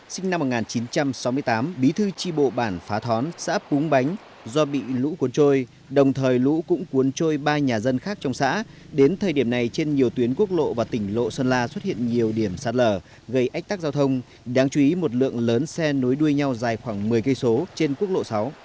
sinh năm một nghìn chín trăm sáu mươi tám bí thư tri bộ bản phá thón xã púng bánh do bị lũ cuốn trôi đồng thời lũ cũng cuốn trôi ba nhà dân khác trong xã đến thời điểm này trên nhiều tuyến quốc lộ và tỉnh lộ sơn la xuất hiện nhiều điểm sạt lở gây ách tắc giao thông đáng chú ý một lượng lớn xe nối đuôi nhau dài khoảng một mươi km trên quốc lộ sáu